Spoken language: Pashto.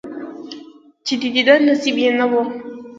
چې د دیدن نصیب یې نه وي،